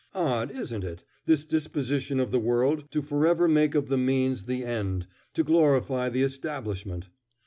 Odd, isn't it, this disposition of the world to forever make of the means the end, to glorify the establishment!